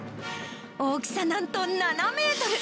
大きさ、なんと７メートル。